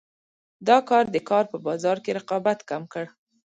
دا کار د کار په بازار کې رقابت کم کړ.